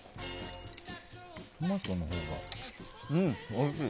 おいしい。